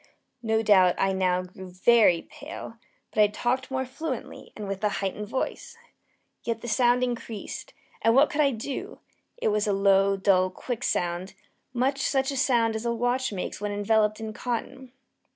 No doubt I now grew very pale; but I talked more fluently, and with a heightened voice. Yet the sound increased and what could I do? It was a low, dull, quick sound much such a sound as a watch makes when enveloped in cotton.